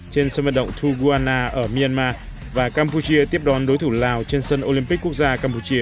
trên sân vận động thu guana ở myanmar và campuchia tiếp đón đối thủ lào trên sân olympic quốc gia campuchia